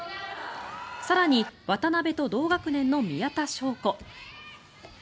更に、渡部と同学年の宮田笙子。